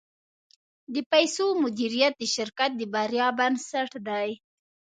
د پیسو مدیریت د شرکت د بریا بنسټ دی.